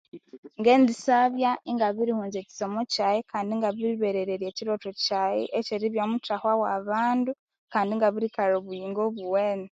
Ngendisyabya ingabirighunza ekisomo kyaghe kandi ingabiriberererya ekilhotho kyaghe ekyeribya muthahwa ghobuyingo bwa'bandu kandi ingabirikalha obuyingo obuwene